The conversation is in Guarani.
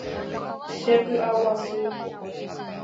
Chepy'aguasu.